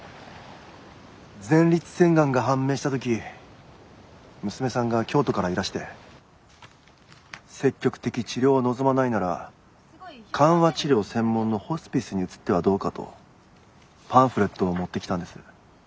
前立腺がんが判明したとき娘さんが京都からいらして積極的治療を望まないなら緩和治療専門のホスピスに移ってはどうかとパンフレットを持ってきたんです。